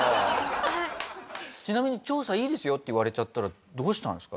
ちなみに「調査いいですよ」って言われちゃったらどうしたんですか？